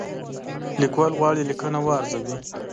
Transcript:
لیکوال غواړي لیکنه وارزوي.